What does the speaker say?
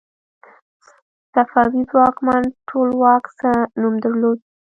صفوي ځواکمن ټولواک څه نوم درلود؟